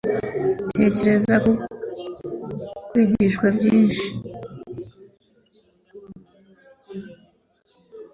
tekereza kubyo kwigisha byihishe